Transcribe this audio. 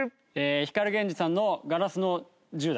光ＧＥＮＪＩさんの『ガラスの十代』。